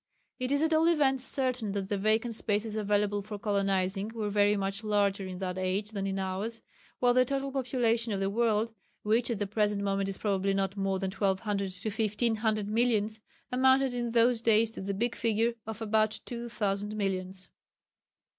It is at all events certain that the vacant spaces available for colonization were very much larger in that age than in ours, while the total population of the world, which at the present moment is probably not more than twelve hundred to fifteen hundred millions, amounted in those days to the big figure of about two thousand millions.